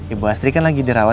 ibu asri kan lagi dirawat